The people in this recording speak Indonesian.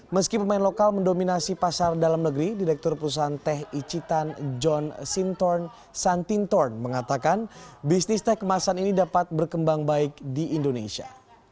meski pemain lokal mendominasi pasar dalam negeri direktur perusahaan teh icitan john sintorn santintorn mengatakan bisnis teh kemasan ini dapat berkembang baik di indonesia